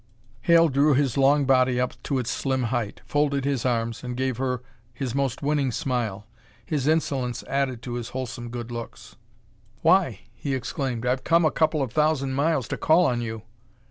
Hale drew his long body up to its slim height, folded his arms, and gave her his most winning smile. His insolence added to his wholesome good looks. "Why?" he exclaimed. "I've come a couple of thousand miles to call on you."